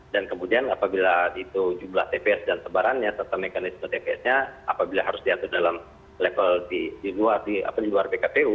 dan kemudian apabila itu jumlah tps dan sebarannya serta mekanisme tps nya apabila harus diatur dalam level di luar pkpu